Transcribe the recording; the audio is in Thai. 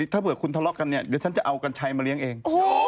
ถ้าเผื่อคุณทะเลาะกันเนี่ยเดี๋ยวฉันจะเอากัญชัยมาเลี้ยงเอง